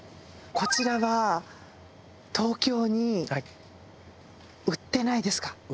こちらは東京に売ってないですか？